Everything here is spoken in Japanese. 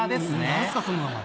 何すかその名前。